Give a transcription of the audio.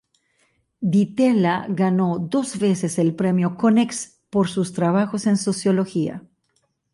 Di Tella, ganó dos veces el premio Konex por sus trabajos en Sociología.